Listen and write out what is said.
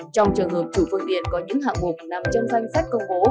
trong trường hợp chủ phương tiện có những hạng mục nằm trong danh sách công bố